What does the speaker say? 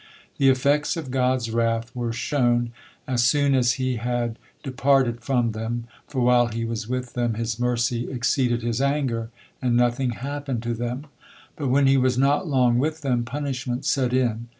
The effects of God's wrath were shown as soon as He had departed from them, for while He was with them, His mercy exceeded His anger, and nothing happened to them, but when He was not long with them, punishment set in.